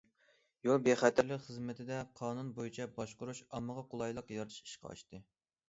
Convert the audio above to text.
يول بىخەتەرلىك خىزمىتىدە قانۇن بويىچە باشقۇرۇش، ئاممىغا قولايلىق يارىتىش ئىشقا ئاشتى.